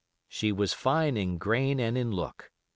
She was fine in grain and in look.